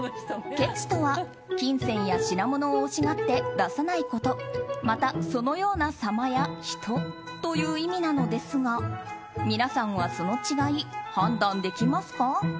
けちとは金銭や品物を惜しがって出さないことまた、そのようなさまや人という意味なのですが、皆さんはその違い判断できますか？